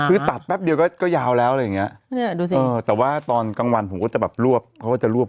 คือตัดแป๊บเดียวก็ยาวแล้วเลยเนี่ยแต่ว่าตอนกลางวันผมก็จะแบบรวบเขาจะรวบ